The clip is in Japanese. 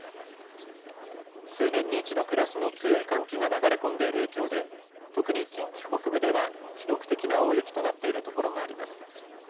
数年に一度クラスの強い寒気が流れ込んでいる影響で特に近畿北部では記録的な大雪となっているところもあります。